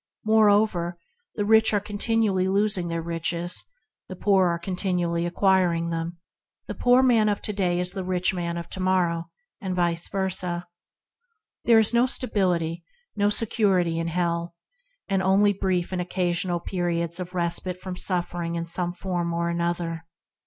Moreover, the rich are continually losing their riches; the poor are continually acquiring them. The poor man of to day is the rich man of to morrow, and vice versa. There is no stability, no security, in hell, and only brief and occasional periods of respite from suffering in some form or other.